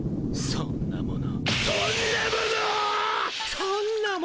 そんなもの